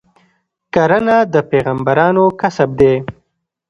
کرنه د پیغمبرانو کسب دی.